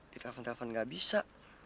di telepon telepon gak bisa